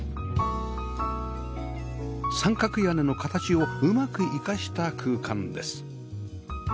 三角屋根の形をうまく生かした空間です